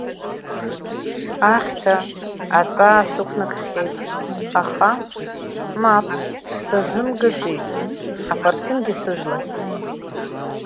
Ахьҭа, аҵаа сықәнакхьеит, аха, мап, сазымгаӡеит, афырҭынгьы сыжәлахьеит.